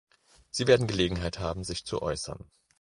Sie werden Gelegenheit haben, sich zu äußern.